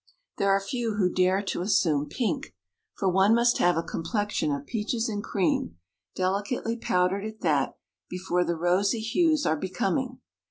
There are few who dare to assume pink, for one must have a complexion of peaches and cream, delicately powdered at that, before the rosy hues are becoming.